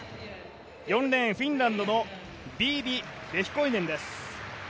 ４レーン、フィンランドのビービ・レヒコイネンです。